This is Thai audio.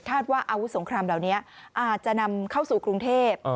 ว่าอาวุธสงครามเหล่านี้อาจจะนำเข้าสู่กรุงเทพ